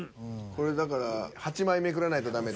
これだから８枚めくらないとダメ。